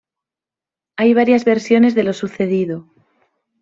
Hay varias versiones de lo sucedido.